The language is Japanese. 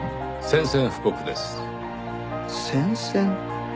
宣戦？